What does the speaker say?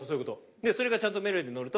でそれがちゃんとメロディーにのると。